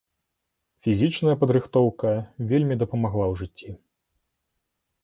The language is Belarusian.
Фізічная падрыхтоўка вельмі дапамагла ў жыцці.